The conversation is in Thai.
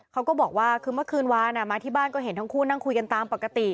เขาก็บอกว่าคือเมื่อคืนวานมาที่บ้านก็เห็นทั้งคู่นั่งคุยกันตามปกติ